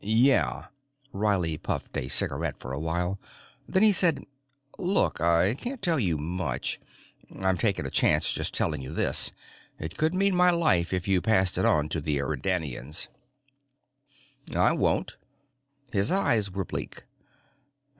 "Yeah." Riley puffed a cigaret for a while. Then he said, "Look, I can't tell you much. I'm taking a chance just telling you this. It could mean my life if you passed it on to the Eridanians." "I won't." His eyes were bleak.